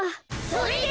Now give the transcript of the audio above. それで！？